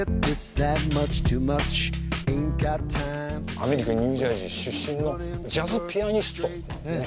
アメリカ・ニュージャージー出身のジャズピアニストなんですね。